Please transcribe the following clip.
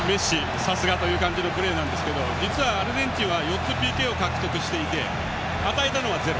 さすがというプレーですが実はアルゼンチンは４つＰＫを獲得していて与えたのはゼロ。